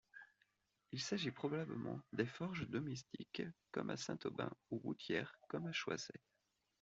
Il s’agit probablement de forges domestiques comme à Saint-Aubin ou routières comme à Choisey.